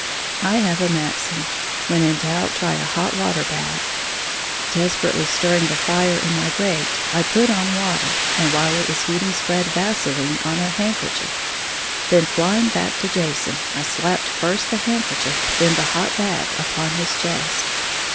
I have a maxim, "when in doubt try a hot water bag". Desperately stirring the fire in my grate, I put on water, and while it was heating spread vaseline on a handkerchief. Then flying back to Jason, I slapped first the handkerchief, then the hot bag, upon his chest.